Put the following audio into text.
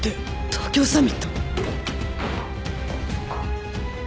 東京サミット。